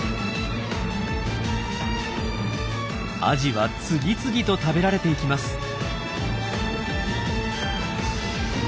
アジは次々と食べられていきます。